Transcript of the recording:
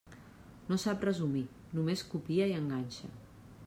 No sap resumir, només copia i enganxa.